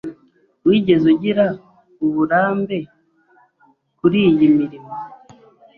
Wigeze ugira uburambe kuriyi mirimo?